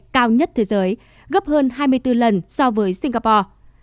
cao nhất thế giới gấp hơn hai mươi bốn lần so với singapore